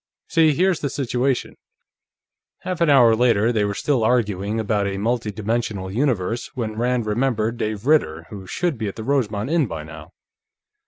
"See, here's the situation ..." Half an hour later, they were still arguing about a multidimensional universe when Rand remembered Dave Ritter, who should be at the Rosemont Inn by now.